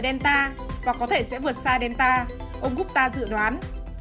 nó sẽ cạnh tranh với delta và có thể sẽ vượt xa delta ông gupta dự đoán